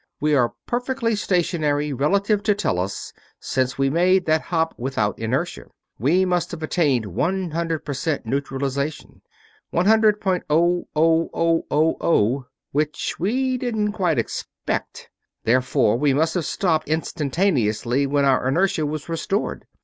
"We are perfectly stationary relative to Tellus, since we made that hop without inertia. We must have attained one hundred percent neutralization one hundred point oh oh oh oh oh which we didn't quite expect. Therefore we must have stopped instantaneously when our inertia was restored.